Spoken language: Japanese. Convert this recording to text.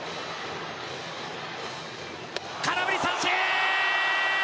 空振り三振！